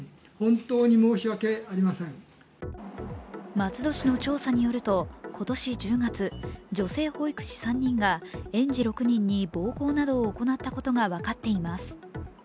松戸市の調査によると、今年１０月、女性保育士３人が園児６人に暴行などを行ったことが分かっています。